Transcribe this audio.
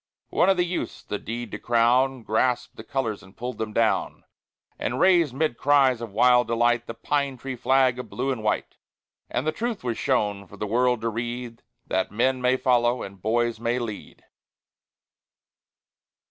One of the youths, the deed to crown, Grasped the colors and pulled them down; And raised, 'mid cries of wild delight, The pine tree flag of blue and white. And the truth was shown, for the world to read, That men may follow and boys may lead.